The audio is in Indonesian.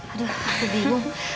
aduh aku bingung